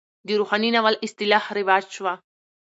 د روحاني ناول اصطلاح رواج شوه.